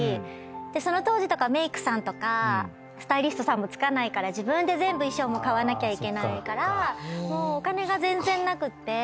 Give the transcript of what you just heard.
その当時とかメークさんとかスタイリストさんも付かないから自分で全部衣装も買わなきゃいけないからもうお金が全然なくって。